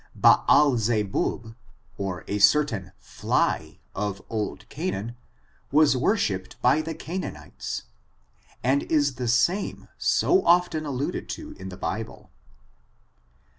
Baalzabub, or a certain fly, of old Canaan, was worshiped by the Canaap itesy and is the same so often alluded to in the Bible.